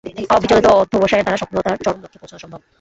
অবিচলিত অধ্যবসায়ের দ্বারা সফলতার চরম লক্ষ্যে পৌছানো সম্ভব।